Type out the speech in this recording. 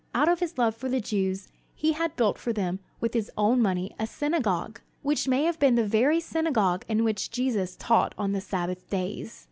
Out of his love for the Jews, he had built for them with his own money a synagogue, which may have been the very synagogue in which Jesus taught on the Sabbath days.